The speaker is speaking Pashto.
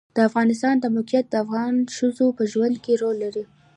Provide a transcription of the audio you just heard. د افغانستان د موقعیت د افغان ښځو په ژوند کې رول لري.